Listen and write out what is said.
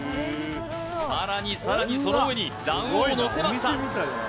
さらにさらにその上に卵黄をのせました